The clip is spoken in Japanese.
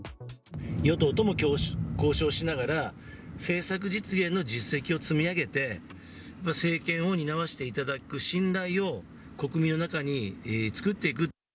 与党とも交渉しながら、政策実現の実績を積み上げて、政権を担わせていただく信頼を国民の中に作っていく。